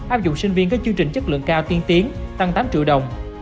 áp dụng sinh viên có chương trình chất lượng cao tiên tiến tăng tám triệu đồng